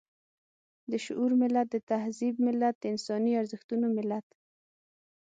د شعور ملت، د تهذيب ملت، د انساني ارزښتونو ملت.